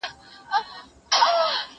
هغه څوک چي سندري واي پوهه زياتوي